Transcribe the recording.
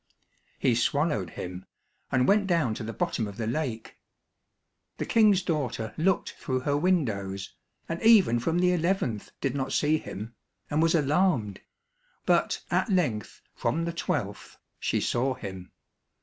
He swallowed him, and went down to the bottom of the lake. The King's daughter looked through her windows, and even from the eleventh did not see him, and was alarmed; but at length from the twelfth she saw him.